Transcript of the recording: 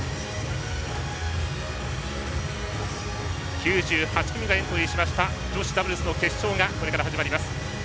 ９８組がエントリーしました女子ダブルスの決勝がこれから始まります。